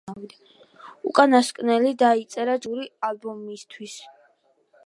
უკანასკნელი დაიწერა ჯგუფის მომავალი სტუდიური ალბომისთვის.